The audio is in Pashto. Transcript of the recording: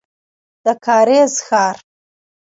د کارېز ښار.